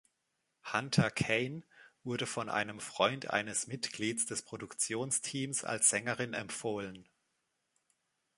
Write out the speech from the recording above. Hunter Kaine wurde von einem Freund eines Mitglieds des Produktionsteams als Sängerin empfohlen.